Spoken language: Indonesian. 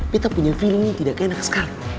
pita punya feeling ini tidak enak sekali